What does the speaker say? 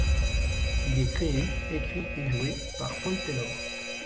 Il est créé, écrit et joué par Paul Taylor.